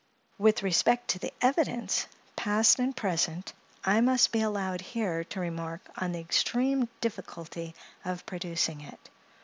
With respect to the evidence, past and present, I must be allowed here to remark on the extreme difficulty of producing it.